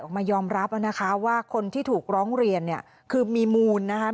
ออกมายอมรับนะคะว่าคนที่ถูกร้องเรียนเนี่ยคือมีมูลนะคะ